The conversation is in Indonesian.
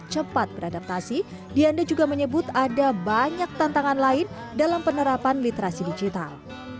cepat beradaptasi dianda juga menyebut ada banyak tantangan lain dalam penerapan literasi digital